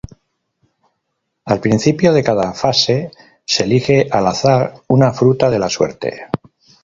Al principio de cada fase se elige al azar una fruta de la suerte.